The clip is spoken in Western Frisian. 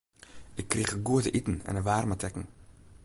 Ik krige goed te iten en in waarme tekken.